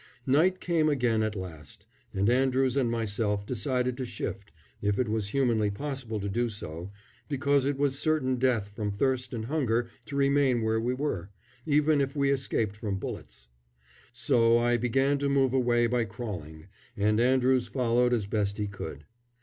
Night came again at last, and Andrews and myself decided to shift, if it was humanly possible to do so, because it was certain death from thirst and hunger to remain where we were, even if we escaped from bullets. So I began to move away by crawling, and Andrews followed as best he could.